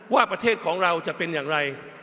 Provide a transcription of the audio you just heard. ว่าประเทศของเราจะเป็นอย่างไร